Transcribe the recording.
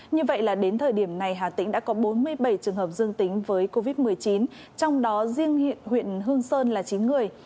như vậy là đến thời điểm này hà tĩnh đã có bốn mươi bảy trường hợp dương tính với covid một mươi chín trong đó riêng huyện hương sơn là chín người